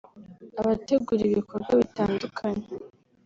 abategura ibikorwa bitandukanye